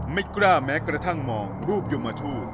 ไม่กล้าแม้กระทั่งมองรูปยมทูต